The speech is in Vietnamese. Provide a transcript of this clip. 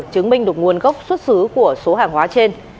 chứng minh được nguồn gốc xuất xứ của số hàng hóa trên